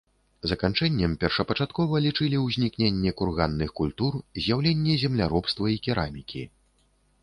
Заканчэннем першапачаткова лічылі ўзнікненне курганных культур, з'яўленне земляробства і керамікі.